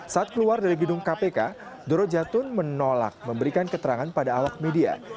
saat keluar dari gedung kpk doro jatun menolak memberikan keterangan pada awak media